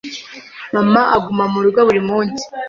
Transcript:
Mama aguma murugo buri munsi.